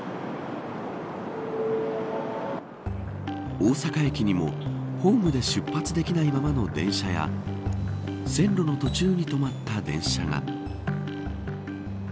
大阪駅にもホームで出発できないままの電車や線路の途中に止まった電車が。